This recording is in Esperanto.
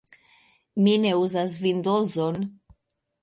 Mi ne uzas Vindozon.